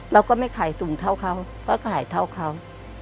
เราก็ไม่ขายสูงเท่าเขาก็ขายเท่าเขา